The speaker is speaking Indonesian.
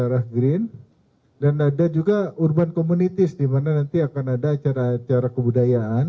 raff green dan ada juga urban communities dimana nanti akan ada acara acara kebudayaan